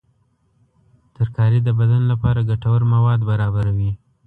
ترکاري د بدن لپاره ګټور مواد برابروي.